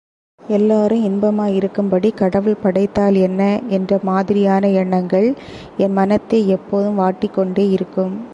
எல்லாரும் இன்பமாயிருக்கும்படி கடவுள் படைத்தால் என்ன? என்ற மாதிரியான எண்ணங்கள் என் மனத்தை எப்போதும் வாட்டிக் கொண்டேயிருக்கும்.